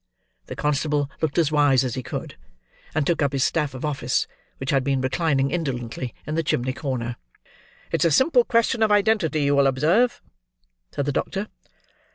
The constable looked as wise as he could, and took up his staff of office: which had been reclining indolently in the chimney corner. "It's a simple question of identity, you will observe," said the doctor.